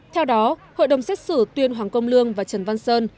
theo đó hội đồng xét xử tuyên hoàng công lương và trần văn sơn